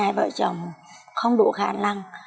hai vợ chồng không đủ khả năng